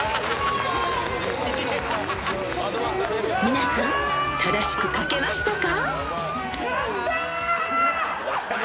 ［皆さん正しく書けましたか？］